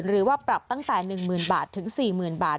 หรือว่าปรับตั้งแต่๑หมื่นบาทถึง๔หมื่นบาท